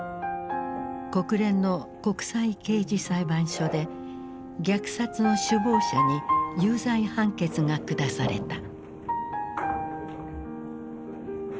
国連の国際刑事裁判所で虐殺の首謀者に有罪判決が下された。